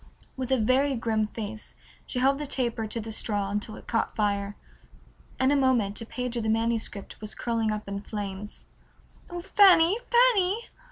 With a very grim face she held the taper to the straw until it caught fire. In a moment a page of the manuscript was curling up in flames. "Oh, Fanny, Fanny!"